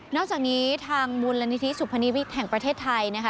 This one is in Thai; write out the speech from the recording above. อกจากนี้ทางมูลนิธิสุพนิวิทย์แห่งประเทศไทยนะคะ